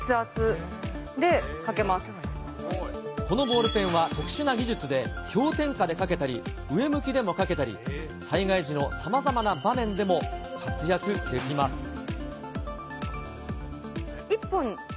このボールペンは特殊な技術で氷点下で書けたり上向きでも書けたり災害時のさまざまな場面でも活躍できます。